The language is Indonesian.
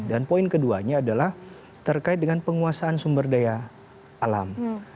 dan poin keduanya adalah terkait dengan penguasaan sumber daya alam